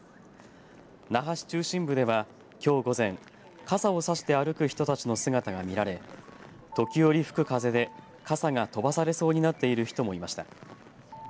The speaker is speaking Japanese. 那覇市中心部では、きょう午前傘を差して歩く人たちの姿が見られ時折、吹く風で傘が飛ばされそうになっている人もいました。